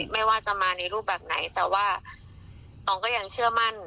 ไม่ว่าจะมาในรูปแบบไหนแต่ว่าตองก็ยังเชื่อมั่น